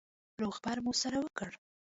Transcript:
روغبړ مو سره وکړ.